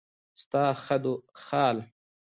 ستا خدوخال